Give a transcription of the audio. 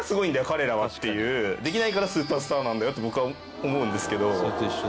彼らはっていうできないからスーパースターなんだよって僕は思うんですけど。